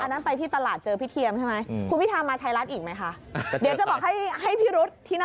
ให้ได้รอ